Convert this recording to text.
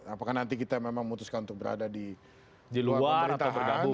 apakah nanti kita memang memutuskan untuk berada di luar pemerintahan